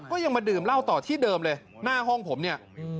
ก็ยังมาดื่มเล่าต่อที่เดิมเลย